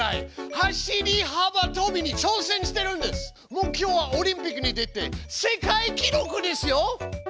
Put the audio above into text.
目標はオリンピックに出て世界記録ですよ！